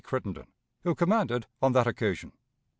Crittenden, who commanded on that occasion.